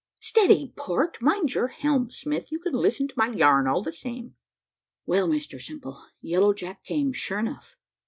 `Steady, port mind your helm, Smith you can listen to my yarn all the same.' Well, Mr Simple, Yellow Jack came, sure enough.